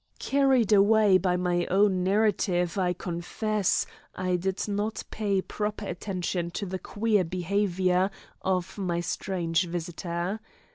Carried away by my own narrative, I confess, I did not pay proper attention to the queer behaviour of my strange visitor.